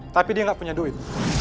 tapi dia nggak punya duit